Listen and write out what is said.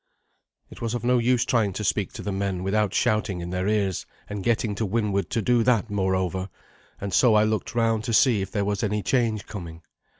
It was of no use trying to speak to the men without shouting in their ears, and getting to windward to do that, moreover, and so I looked round to see if there was any change coming.